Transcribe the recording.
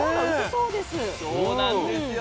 そうなんですよ。